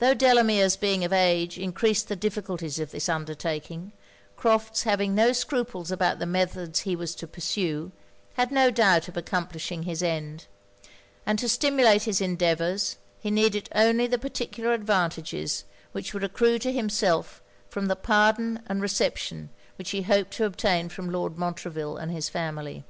Tho' Delamere's being of age encreased the difficulties of this undertaking, Crofts having no scruples about the methods he was to pursue, had no doubt of accomplishing his end: and to stimulate his endeavours, he needed only the particular advantages which would accrue to himself from the pardon and reception which he hoped to obtain from Lord Montreville and his family.